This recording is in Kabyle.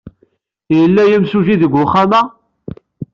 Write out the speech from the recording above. Yella yemsujji deg wexxam-a?